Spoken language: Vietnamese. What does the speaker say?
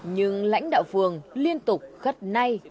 nhưng lãnh đạo phường liên tục gắt nay